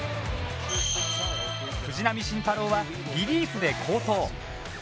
藤浪晋太郎は、リリーフで好投。